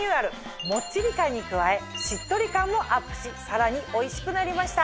もっちり感に加えしっとり感もアップしさらにおいしくなりました。